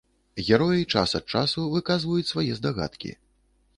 Героі час ад часу выказваюць свае здагадкі.